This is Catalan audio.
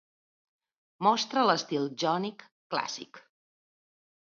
Mostra l'estil jònic clàssic.